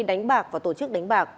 đánh bạc và tổ chức đánh bạc